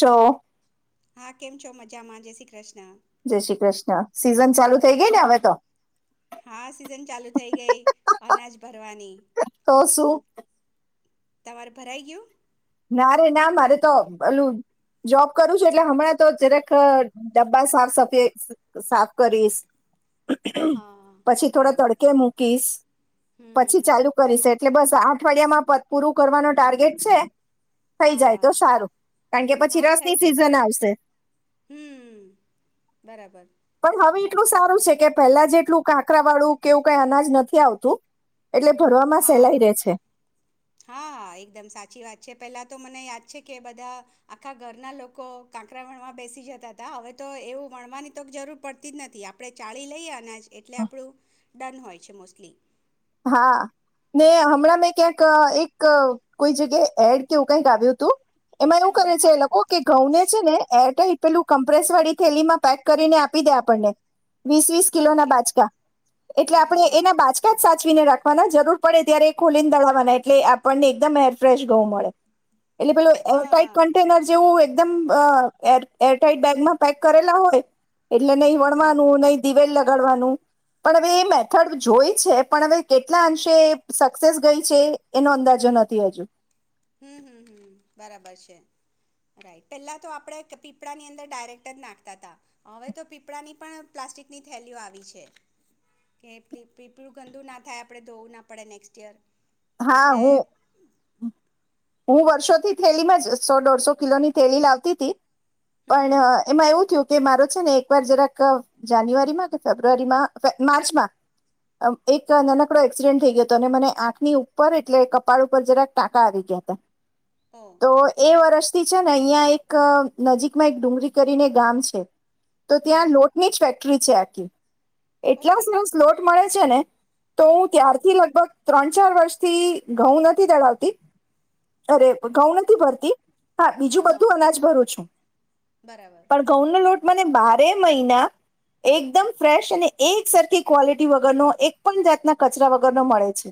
જો હા કેમ છો મજામાં જય શ્રી કૃષ્ણ. જય શ્રી કૃષ્ણ. હ સિઝન ચાલુ થઈ ગઈ ને હવે તો. હા સિઝન ચાલુ થઈ ગઈ, અનાજ ભર તો શું. તમાવાર ભરાઈ ગુંયુ. ના રે ના મારે તો પેલું જોબ કરું છું એટલે હમણાં તો જરેક ડબ્બા સાફ સફાઈ સાફ કરીશ. હા હા હા પછી થોડા બરાબર તડકે મૂકીશ, હમ પછી હમ ચાલુ કરીશ એટલે બસ અઠવાડિયા માં પ પૂરું કરવાનો ટાર્ગેટ છે. થઈ જાય તો હા સારું, કારણ કે પછી હા થઈ રસની જશે સીઝન આવશે. હમ બરાબર પણ હવે એટલું સારું છે કે પહેલા જેટલું કાકરા વાળું કેવું કઈ અનાજ નથી આવતું. એટલે ભરવામાં હા સેલાઈ રે છે. હા એકદમ સાચી વાત છે પેલા તો મને યાદ છે કે બધા આખા ઘરના લોકો કાંકરા વણમાં બેસી જતા હતા હવે તો એવું વણવાની તો જરૂર પડતી જ નથી આપણે ચાળી લઈ આના છે એટલે આપણું ડન હોય છે મોસ્ટલી. હા ને હમણાં મેં ક્યાંક એક કોઈ જગ્યા એડ કેવું કઈક આવ્યું હતું એમાં એવું કરે હમ છે એ લોકો કે ઘઉં ને છે ને એર પેલું કમ્પ્રેસ વાળી થેલીમાં પેક કરીને આપી દે આપણને વીસ વીસ કિલોના ઓકે બાજકા એટલે હા હા આપડણે હા એના બાજકા સાચવીને રાખવાના જરૂર પડે ત્યારે ખોલીને દળાવવાના એટલે આપણને એકદમ એરફ્રેશ ઘઉં મળે એટલે પેલું એર ટાઈટ હા કન્ટેનર જેવું એકમ એરટાઈટ બેગમાં પેક કરેલા હોય. એટલે હમ નહી હમ વણવાનું નહી દિવેલ દળવાનું પણ હવે એ મેથડ જોય છે પણ હવે કેટલા અંશે સક્સેસ ગઈ છે એનો અંદાજો નથી હજુ. હમ હમ હમ બરાબર છે. રાઈટ પહેલા તો આપણે પીપળાની અંદર ડાયરેક્ટ જ નાખતા તા હવે તો પીપળાની પણ પ્લાસ્ટિકની થેલીઓ આવી છે કે પીપળું ગંદુ ના થાય આપડણે ધોવું ના પડે નેક્સ્ટ યેર હા હું હું વર્ષોથી થેલીમાં જ સો દોઢસો કિલો ની થેલી લાવતી તી પણ હમ એમાં એવું થયું કે મારો છે ને એક વાર જરાક જાન્યુઆરીમાં કે ફેબ્રુઆરીમાં, માર્ચમાં એક નનકડો એક્સિડેન્ટ થઈ ગયો હતો અને મને આંખની ઉ પર એટલે કપાળ ઉપર જરાક ટાંકા આવી ગયા તા. ઓ તો એ વર્ષ ટી છે ને અહિયાં એક નજીકમાં એક ડુંગળી કરીને ગામ છે તો હમ ત્યાં લોટની જ ફે ક્ટરી છે આખી એટલા ઓકે સરસ લોટ મળે છે ને તો હું હમ ત્યારથી લગભગ ત્રણ ચાર વર્ષ થી ઘઉં નથી ડડાવતી અરે ઘઉં નથી ભરતી હા બીજું બધું અનાજ ભરુ છું બરાબર પણ ઘઉંનો લોટ મને બારે મહિના એકદમ ફ્રેશ અને એક સરખી ક્વોલિટી વગરનો એક પણ જાતના કચરા વગરનો મળે છે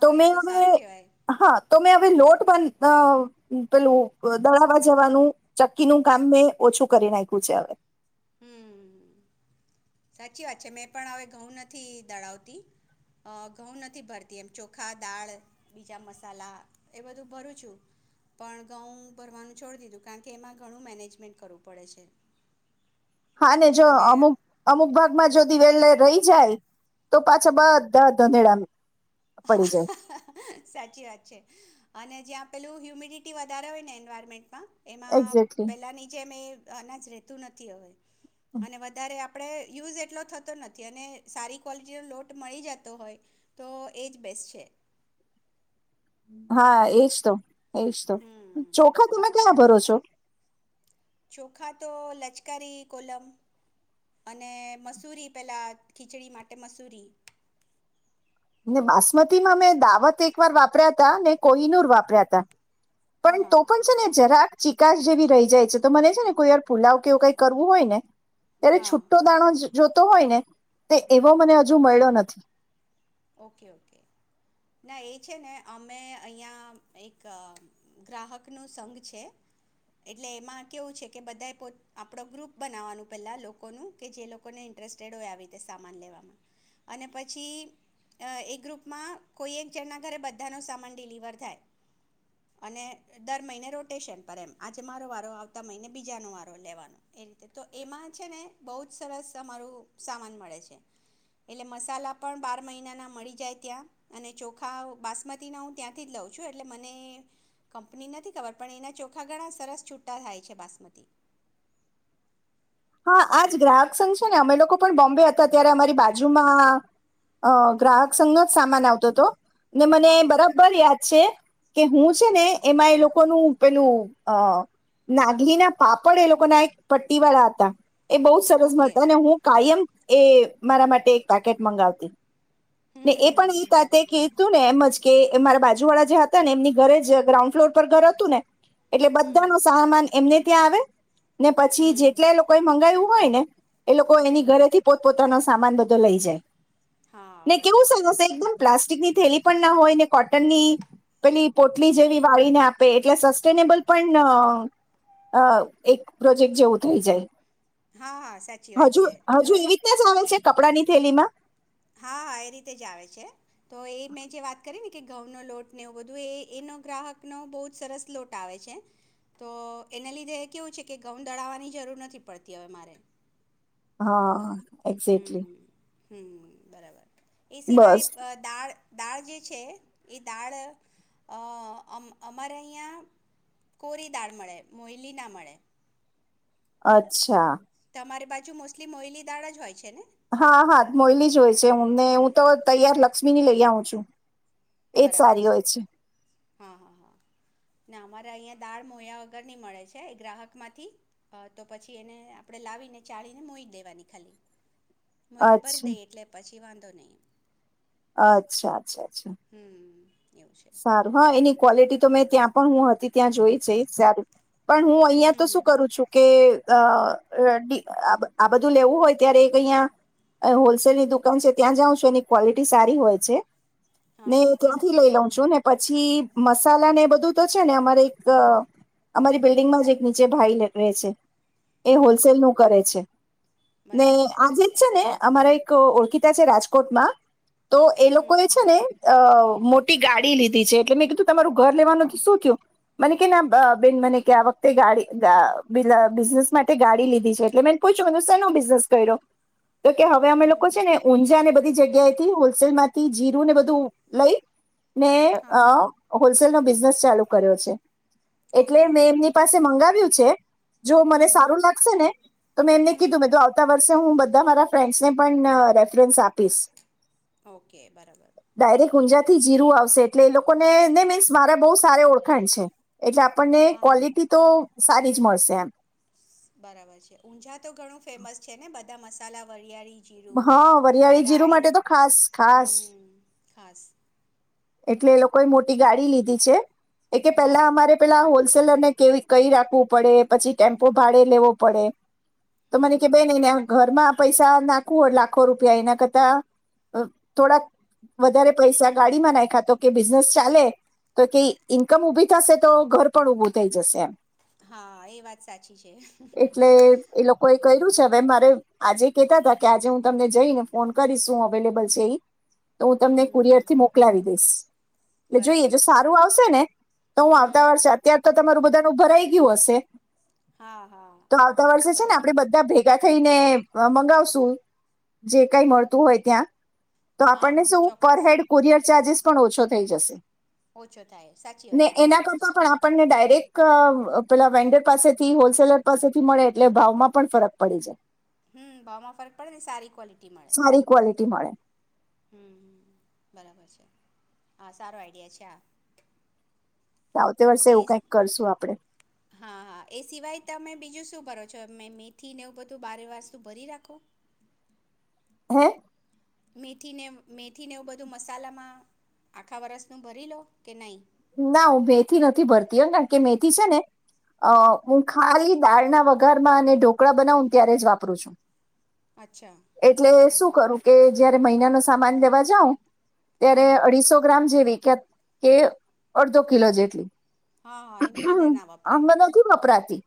તો મે એ હવે સારું કહેવાય હા તો મેં હવે લોટ પણ પેલું દળાવવા જવાનું ચક્કીનું કામ મેં ઓછું કરી નાખ્યું છે હવે હમ્મ સાચી વાત છે મેં પણ હવે ઘઉં નથી દળાવતી ઘઉં નથી ભરતી એમ ચોખા દાળ બીજા મસાલા એ બધું ભરું છું પણ ઘઉં ભરવાનું છોડી દીધું કારણ કે એમાં ઘણું મેનેજમેન્ટ કરવું પડે છે હા ને જો અને અમુક અમુક ભાગમાં જો દીવેલ રહી જાય તો પાછા બધા ધણેળા હ સાચી વાત છે અને જ્યાં પેલું હ્યુમિડિટી વધારે હોય ને એન્વાયરમેન્ટમાં એમાં એક્ઝેક્ટલી પહેલા નીચે મેં અનાજ રહેતું નથી હવે અને વધારે આપ આપણે યુઝ એટલો થતો નથી અને સારી ક્વૉલિટીનો લોટ મળી જતો હોય તો એ જ બેસ છે હા એજ તો એશ તો હમ ચોખા તમે ક્યાં ભરો છો શો ચોખા તો લચકારી કોલમ અને મસૂરી પેલા ખીચડી માટે મસૂરી બાસમતી માં મેં દાવત એક વાર વાપર્યા તા ને કોઈનુર વાપર્યા તા હા પણ તો હા પણ છે ને જરાક ચીકાસ જેવી રહી જાય છે તો મને છે ને કોઈ વાર ફુલાવ કેવું કઈ કરવું હોય ને ત્યારે હા છુટો દાણો જ જોતો હોય ને તે એવો મને હજુ મળ્યો નથી. ઓકે-ઓકે. ના એ છે ને અમે અહીંયા એક ગ્રાહકનું સંઘ છે એટલે એમાં કેવું છે કે બધાએ પો આપણો ગ્રુપ બનાવવાનું પહેલા લોકોનું કે જે લોકોને ઇન્ટરેસ્ટેડ હોય આવી રીતે સામાન લેવામાં અને પછી એક ગ્રુપમાં કોઈ એક જણના ઘરે બધાનો સામાન ડિલિવર થાય અને દર મહિને રોટેશન પર એમ આજે મારો વારો આવતા મહિને બીજાનો વારો લેવાનો એ રીતે તો એમાં છે ને બહુ જ સરસ અમારું સામાન મળે છે એટલે મસાલા પણ બાર બાર મહિનાના મળી જાય ત્યાં અને ચોખા બાસમતીના હું ત્યાંથી જ લઉં છું એટલે મને કંપની નથી ખબર પણ એના ચોખા ઘણા સરસ છૂટા થાય છે બાસમતી હા આજ ગ્રાહક સંઘ છે ને અમે લોકો પણ બોમ્બે હતા ત્યારે અમારી બાજુમાં અ ગ્રાહક સંઘ નો જ સામાન આવતો હતો. ને મને હા હા બરાબર યાદ છે. કે હું છે ને એમાં એ લોકોનું પેલું અ નાગલી ના પાપડ એ લોકો ના એક પટ્ટી વાળા હતા. એ બહુ સરસ ઓકે મળતા અને હું કાયમ એ મારા માટે એક પેકેટ મંગાવતી. હમ ને હમ એ હમ પણ એ ત તે બરાબર કિ તું ને એમજ કે એ મારા બાજુ વાળા જે હતા ને એમની ઘરે જ ગ્રાઉન્ડ ફ્લોર પર ઘર હતું ને એટલે હમ બધાનો સામાન એમને ક્યાં આવે? ને પછી હમ જેટલે લોકો કહયું હોય ને એ લોકો હમ એની ઘરે થી પોત પોતાનો સા સામાન બધો લઈ જાય. હા ને કેવું બરાબર સરસ એકદમ પ્લા ની થેલી પણ ના હોય ને કોટનની પેલી પોટલી જેવી વાળીને આપે એટલે સસ્ટેનેબલ પણ એક પ્રોજેક્ટ જેવું થઈ જાય. હા-હા સાચી વાત છે, તો કપડા ની થેલીમાં. હા એ રીતે જ આવે છે, તો એ મેં જે વાત કરી ને કે ઘઉંનો લોટ ને એવું બધું એ એનો ગ્રાહકનો બહુ જ સરસ લોટ આવે છે, તો એના લીધે કેવું છે કે ઘઉં દડાવવાની જરૂર નથી પડતી હવે મારે. હા. એક્ઝેક્ટલી હમ્મ. હમ્મ બરાબર. એ બસ સિવાય દાળ-દાળ જે છે. એ દાળ, અ અમારે અહીંયા કોરી દાળ મળે મોયલીના મળે. અચ્છા. અમારી બાજુ મોસ્ટલી મોયલી દાળ જ હોય છે ને. હા હા મોયલી જ હોય છે ને હું તો તૈયાર લક્ષ્મીની લઈ આવું છું. એજ બરાબર સારી છે, હોય હા. ના અમારા અહીંયા દાળ મોયા વગર નહી મળે છે એ ગ્રાહકમાંથી, તો પછી એને આપણે લાવીને ચાળીને મોઈ દેવાની ખાલી. મોયને ભરી અચ્છા દઈએ એટલે પછી વાંધો નહીં. અચ્છા. અચ્છા અચ્છા. હમ એવું છે સારું હા એની ક્વોલિટી તો મેં ત્યાં પણ હું હતી ત્યાં જોઈ છે સારું પણ હું અહિયાં હમ તો હમ શું કરું છું કે અ આ બધું લેવું હોય ત્યારે એક અહીં હોલસેલની દુકાન છે ત્યાં જાઉં છું એની ક્વોલિટી સારી હોય છે. હા હા [unintelligible] ત્યાંથી લઈ લઉ છે ને પછી મસાલા ને એ બધું તો છે ને અમારે એક અમારી બિલ્ડિંગમાં જ એક નીચે ભાઈ રહે છે. એ હમ હોલસેલ નું કરે છે ને બરાબર આજે જ છે ને અમારા એક ઓળખીતા છે રાજકોટમાં તો એ હમ લોકો એ છે ને અ મોટ [unintelligible] ગાડી લીધી છે એટલે મે કીધું તમારું ઘર લેવાનું શું થયું મને કે બેન મને આ વખતે ગડી [unintelligible] બિઝનેસ માટે ગાડી લીધી છે એટલે મે પછું શનો બિઝનેસ કર્યો તો કે હવે અમે હમ લોકો હમ છે ને ઊંઝા ને બધા બધી જગ્યાથી હોલસેલ માંથી જીરું ને બધું લઈ ને હા અ હોલસેલનો બિઝનેસ ચાલુ કર્યો છે. એટલે ઓકે મેં એમની પાસે મંગાવ્યું છે જો હમ મને હમ સારું લાગશે ને તો મેં એમને હમ કીધું મેં તો આવતા વર્ષે હું બંધા મારા ફ્રેન્ડસ ને પણ રેફરન્સ આપીશ. ઓકે બરાબર ડાયરેક્ટ ઊંઝાથી જીરું આવશે એટલે એ લોકોને ને મીન્સ મારે બહુ સાર ઓળખાણ છે એટલે આપણને હા હા ક્વોલિટી તો સારી જ મળશે એમ બરાબર છે, ઊંઝા તો ઘણું ફેમસ છે ને બધા મસાલા, વરિયાળી જીરું હા, અ વરિયાળી જીરું રાઈ માટે તો ખાસ ખાસ હમ ખાસ એટલે એ લોકોએ મોટી ગાડી લીધી છે એ કે પહેલા હા અમારે પેલા હો હોલસેલર ને કે કઈ રાખવું પડે, પછી ટેમ્પો ભાડે લેવો પડે તો મને કે હમ બે ને ઘરમા પૈસા નાખુ એટ લાખો રૂપિયા એના કરતા થોડાક વધારે પૈસા ગાડીમાં નાખી કા તો બિઝનેસ ચાલે તો કે ઈન્કમ ઉભી થશે તો ઘર પણ ઉભું થઈ જશે એમ હા એ વાત સાચી છે. એટલે એ લોકોએ કર્યું છે હવે મારે આજે કતા હતા કે આજે હું તમને જઈને ફોન કરીશું અવેલેબલ છે એ. તો હું હમ તમને હમ હમ કુરિયર થી મોકલાવી. એ જોઈએ બરાબર જો છે સારું આવશે ને તો હું હમ આવતા વાર હમ છે અત્યાર તો તમારું બધા ભરાઈ ગયું હશે. હા હા તો આવતા વર્ષે છે ને બરાબર આપડે બધા ભેગા થઈ ને મગાવશુ, જે કઈ મળતું હોય ત્યાં. તો હા આપણને હા શું પર ચોક્કસ હેડ કુરિયર ચાર્જેસ પણ ઓછો થઈ જશે. ઓછો થાય સાચી ને વાત છે એના બરાબર છે કરતા પણ આપણને ડાયરેક્ટ પેલા વેન્ડર પાસેથી હોલસેલર પાસેથી મળે એટલે ભાવમાં પણ ફરક પડી જાય. હમ ભાવમાં ફરક પડે ને સારી ક્વોલિટી મળે. જાય સારી ક્વોલિટી મળે. હમ બરાબર છે, હા સારો આઈડિયા છે આ. આવતી વર્ષે એ એવું કંઈક કરશું આપણે હા હા એ સિવાય તમે બીજું શું ભરો છોમે મેથી નેવું બધું બારે વારતુ ભરી રાખો? હે. મેથીને મેથીને એવું બધું મસાલામાં આખા વરષનું ભરી લો કે નહીં? ના હું મેથી નથી ભરતી એમ કારણ કે મેથી છે, ને અ હું ખાલી દાળના વઘારમાં અને ઢોકળા બનાવ ત્યારે જ વાપરું છું. અચ્છા એટલે શું બરાબર કરું કે જયારે મહિના માં સામાન દેવા જાઉં ત્યારે હા અઢીસો ગ્રામ જેવી કેત કે અડધો કિલો જેટલી. હા હા આમાં નથી વપરાતી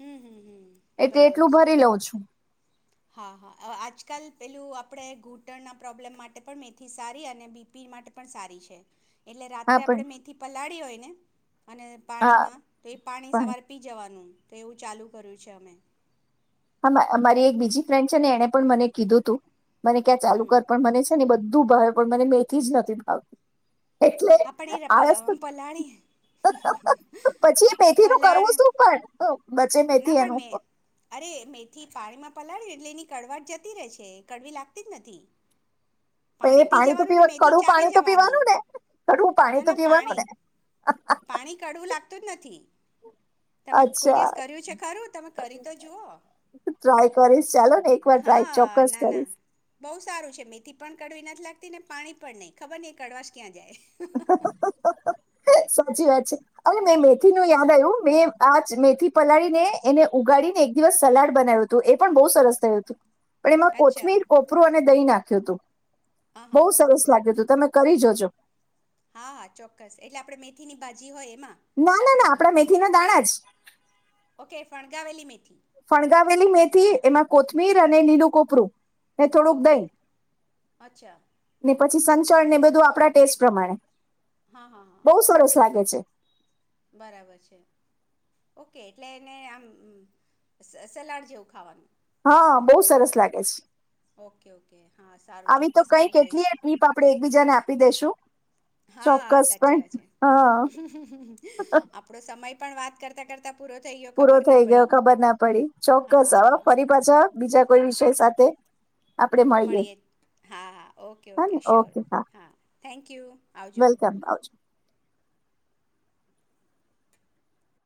હમ્મ, હમ્મ, હમ્મ, એટલે બરાબર એટલું છે. ભરી લઉં છું હા, હા, આવ આજકાલ પેલું આપણેે ઘૂંટણના પ્રોબ્લેમ માટે પણ મેથી સારી અને બીપી માટે પણ સારી છે. એટલે હા રાત્રે આપણે પણ મેથી પલાળી હોય ને અને હા પાણીમાં તો એ પાણી પણ સવાર પી જવાનું. તો એવું ચાલુ કર્યું છે અમે. હા માં એમારી એક બીજી ફ્રેન્ડ છે ને એને પણ મને કીધું તું મને ક્યાં ચાલુ હમ કર પણ મને છે ને બધ ખૂબ ભાયો પણ મને મેથી જ નથી ભાવતું. એટલે હા પણ એ આયસ્તુ પ પલાળી પછી એ મેથી નું પલાળ કરવું શું પણ બચે મેથી એનું. થી પાણીમાં પલાળ્યું એટલે એની કડવાટ જતી રહે છે કડવી લાગતી જ નથી પે એ પી પાણી તો જવાનું ને પીવા મેથી કડવુ ચાવી પાણી તો જવાની પીવાનું ને કડવું ના પાણી તો ના પીવાનું પાણી ને પાણી કડવું લાગતું જ નથી તમે કોઈ અચ્છા દિવસ કર્યું છે ખરું તમે કરી તો જુઓ ટ્રાય કરીશ ચાલો ને એક વાર ટ્રાય હા ચોક્કસ ના ના કરીશ. બહુ સારું છે મેથી પણ કડવી નથી લાગતી ને પાણી પણ નહીં ખબર નઈ કડવાશ ક્યાં જાય. સાચી વાત છે અરે મેં મેથી નું યાદ આવ્યું મેં આ મેથી પલાળીને એને ઉગાડીને એક દિવસ સલાડ બનાવ્યું હતું એ પણ બહુ સરસ થયું હતું. પણ એમાં અચ્છા કોથમીર કોપરું અને દય ના. તો. હા હા બઉુ હા સરસ લાગ્યું હતું તમે. કરી જોજો. હા હા ચોક્કસ એટલે આપે મેથીની બાાજી હોય એમાં. ના ના ના આપણા મેથી ના દાણા જ. ઓકે ફણગાવેલી મેથીલી. ફણગાવેલી મેથી એમાં કોથમીર અને લીલું કોપરું. એ થોડુંક ઓકે દઈ. અચ્છા. પછી સંચળ ને બધું આપણા ટેસ્ટ પ્રમાણે. હા હા હા બહુ સરસ લાગે છે. બરાબર છે ઓકે એટલે એને આમ સલાડ જેવું ખાવાનું. હા બહુ સરસ લાગે છે. ઓકે ઓકે હા સારું આવી તો ચોક્કસ કઈ કરી જોઈશ કેટલી ટ્રીપ આપણે એકબીજાને આપી દેશું હા ચોક્કસ સાચી પણ વાત છે હા આપડો સમય. પણ વાત કરતા કરતા. પૂરો થઈ ગયો ખબર ના પડી ચોક્કસ હવે હા ફરી પાછા બીજા કોઈ વિષય સા. તે. મળીએ જ હા હા ઓકે ઓકે શ્યોર હા થેન્કયુ આવજો. વેલકમ આવજો.